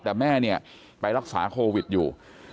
แต่แม่ไปรักษาโควิดอยู่